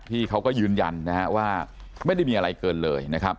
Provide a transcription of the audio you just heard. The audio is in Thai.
เขาก็ยืนยันนะฮะว่าไม่ได้มีอะไรเกินเลยนะครับ